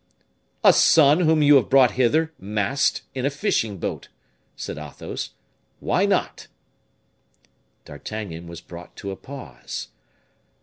"A son whom you have brought hither masked, in a fishing boat," said Athos. "Why not?" D'Artagnan was brought to a pause.